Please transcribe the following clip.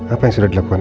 apa yang sudah dilakukan